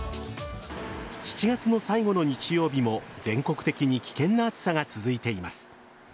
７月の最後の日曜日も全国的に危険な暑さが続いています。